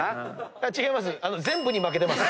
違います。